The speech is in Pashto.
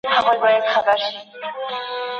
زه چي وګورمه تاته عجیبه سم